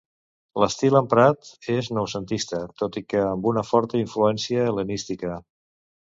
L'estil emprat és noucentista, tot i que amb una forta influència hel·lenística.